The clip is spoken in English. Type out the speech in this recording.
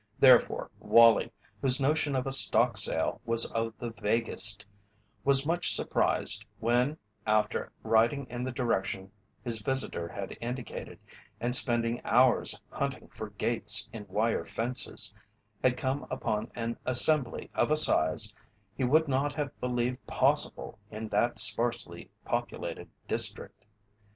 Therefore Wallie, whose notion of a stock sale was of the vaguest, was much surprised when after riding in the direction his visitor had indicated and spending hours hunting for gates in wire fences, had come upon an assembly of a size he would not have believed possible in that sparsely populated district.